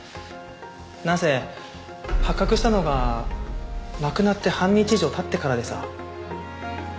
なんせ発覚したのが亡くなって半日以上経ってからでさ。